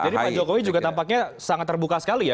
jadi pak jokowi juga tampaknya sangat terbuka sekali ya